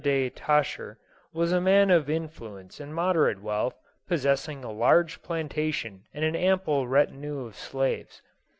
de Tascher, was a man of influence and moderate wealth, possess ing a large plantation and an ample retinue of slaves.